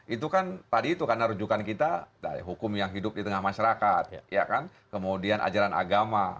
itu kan tadi itu karena rujukan kita hukum yang hidup di tengah masyarakat kemudian ajaran agama